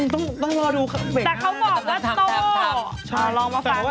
ต้องมารอดูแต่เขาบอกว่าโต